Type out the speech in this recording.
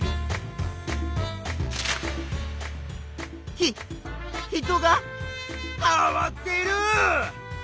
ひ人がかわっている！